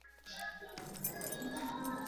该行星可能有卫星系统或环系统。